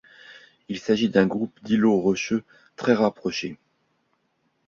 Il s'agit d'un groupe d'îlots rocheux très rapprochés.